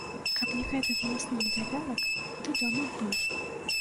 Каб не гэты валасны недавярак, ты дома б быў.